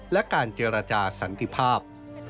และการเจรจาสันติภาพ